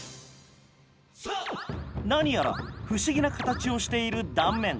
何やら不思議な形をしている断面。